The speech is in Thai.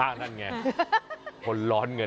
อ่านั่นไงคนร้อนเงินจะเป็นอย่างนี้แหละ